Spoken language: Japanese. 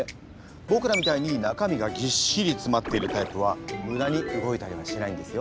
ぼくらみたいに中身がぎっしりつまっているタイプは無駄に動いたりはしないんですよ。